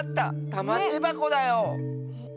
たまてばこだよ。え？